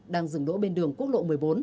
đang dừng đỗ bên đường quốc lộ một mươi bốn